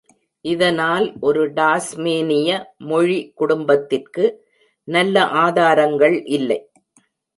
இதனால் ஒரு டாஸ்மேனிய மொழி குடும்பத்திற்கு நல்ல ஆதாரங்கள் இல்லை.